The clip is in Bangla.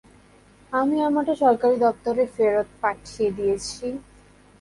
আমি আমারটা সরকারি দপ্তরে ফেরত পাঠিয়ে দিয়েছি।